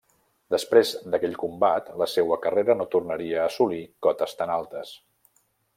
Després d'aquell combat la seua carrera no tornaria a assolir cotes tan altes.